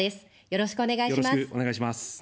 よろしくお願いします。